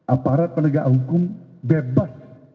aparat penelitian hukum bebas